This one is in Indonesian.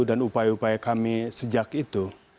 dan upaya upaya kami sejak itu